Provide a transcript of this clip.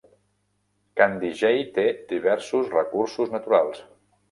Candijay té diversos recursos naturals.